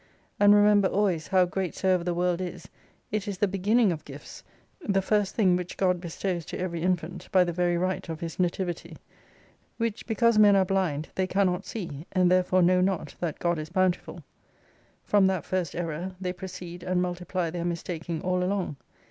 And remember always how great soever the world is, it is the beginning of Gifts, the first thing which God bestows to every infant, by the very right of his nativity. "Which because men are blind, they cannot see, and therefore know not that God is bountiful. From that first error they proceed and multiply their mistaking all along.